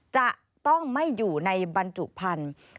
จะต้องไม่อยู่ในบรรจุพันธุ์